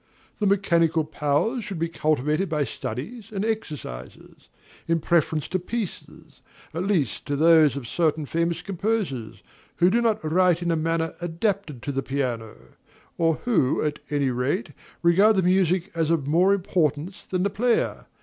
The mechanical powers should be cultivated by studies and exercises, in preference to pieces, at least to those of certain famous composers, who do not write in a manner adapted to the piano; or who, at any rate, regard the music as of more importance than the player.